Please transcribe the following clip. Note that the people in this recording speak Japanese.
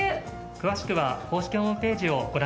詳しくは公式ホームページをご覧ください。